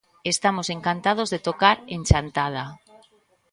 Estamos encantados de tocar en Chantada.